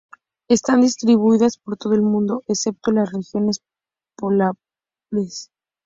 Están distribuidas por todo el mundo, excepto las regiones polares.